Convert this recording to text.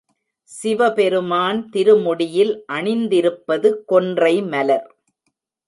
சிவபெருமான் திருமுடியில் அணிந்திருப்பது கொன்றை மலர்.